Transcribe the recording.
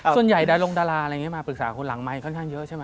ส่วนใหญ่ดารงดาราอะไรอย่างนี้มาปรึกษาคนหลังไมค์ค่อนข้างเยอะใช่ไหม